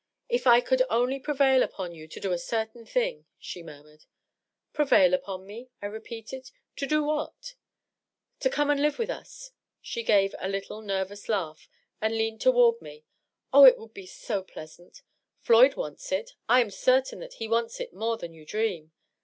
" If I could only prevail upon you to do a certain thing !" she murmured. " Prevail upon me ?" I repeated. " To do what ?"" To come and live with us !" She gave a little nervous laugh and 588 DOUGLAS WANE. leaned toward me, " Oh, it would be «o pleasant ! Floyd wants it ; I am certain that he wants it more than you dream.